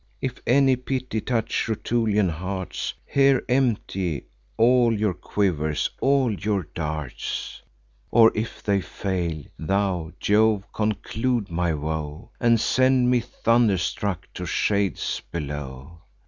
If any pity touch Rutulian hearts, Here empty all your quivers, all your darts; Or, if they fail, thou, Jove, conclude my woe, And send me thunderstruck to shades below!"